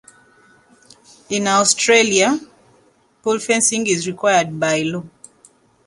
In Australia, pool fencing is required by law.